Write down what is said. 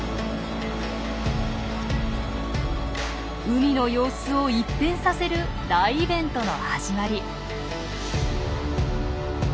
海の様子を一変させる大イベントの始まり。